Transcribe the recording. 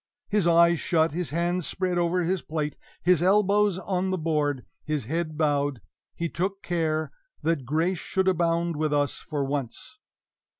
His eyes shut, his hands spread over his plate, his elbows on the board, his head bowed, he took care that grace should abound with us for once!